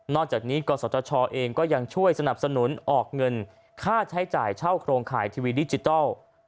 จากนี้กศชเองก็ยังช่วยสนับสนุนออกเงินค่าใช้จ่ายเช่าโครงข่ายทีวีดิจิทัล